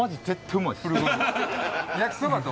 焼きそばと。